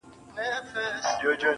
زړه راته زخم کړه، زارۍ کومه.